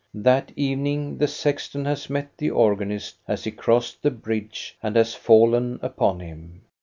That evening the sexton has met the organist as he crossed the bridge and has fallen upon him.